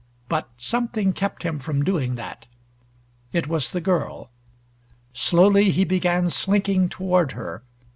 But something kept him from doing that. It was the girl. Slowly he began slinking toward her.